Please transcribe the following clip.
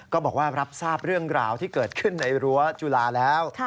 ก็บอกว่ารับทราบเรื่องราวที่เกิดขึ้นในรั้วจุฬาแล้ว